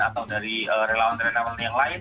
atau dari relawan relawan yang lain